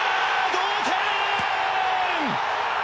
同点！